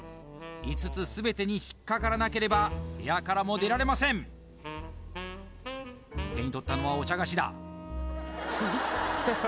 ５つ全てに引っかからなければ部屋からも出られません手に取ったのはお茶菓子だ